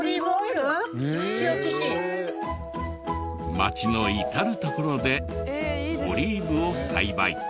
町の至る所でオリーブを栽培。